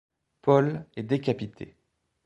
Paul est décapité.